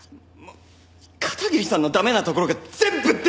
片桐さんの駄目なところが全部出てます！